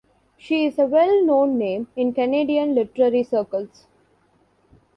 She is a well known name in Canadian literary circles.